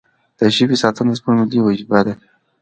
د ژبې ساتنه زموږ ملي وجیبه ده.